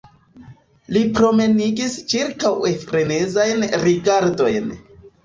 Li promenigis ĉirkaŭe frenezajn rigardojn.